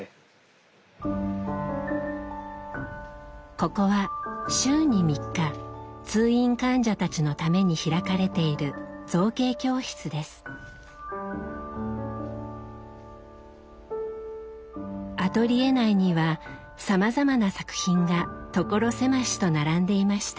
ここは週に３日通院患者たちのために開かれているアトリエ内にはさまざまな作品がところ狭しと並んでいました。